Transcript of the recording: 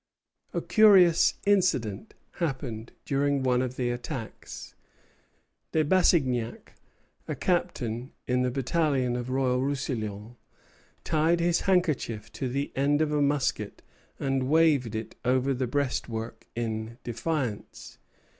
A curious incident happened during one of the attacks. De Bassignac, a captain in the battalion of Royal Roussillon, tied his handkerchief to the end of a musket and waved it over the breastwork in defiance.